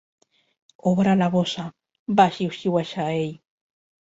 "Obre la bossa!", va xiuxiuejar ell.